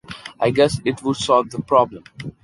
I guess it would solve our problem.